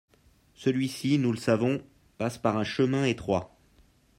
Celui-ci, nous le savons, passe par un chemin étroit.